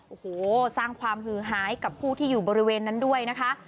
โอ้โหสร้างความหือหายกับผู้ที่อยู่บริเวณนั้นด้วยนะคะ